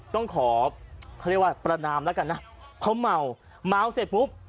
ต้องขอเขาเรียกว่าประนามแล้วกันนะเขาเมาเมาเสร็จปุ๊บ